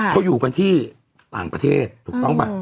เขาอยู่กันที่ต่างประเทศถูกต้องป่ะ